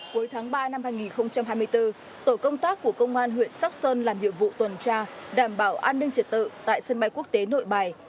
cuối tháng ba năm hai nghìn hai mươi bốn tổ công tác của công an huyện sóc sơn làm nhiệm vụ tuần tra đảm bảo an ninh trật tự tại sân bay quốc tế nội bài